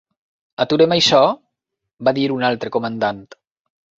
"Aturem això", va dir un altre comandant.